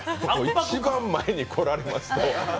一番前に来られますと。